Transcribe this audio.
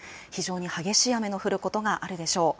激しい雨が降ることもあるでしょう。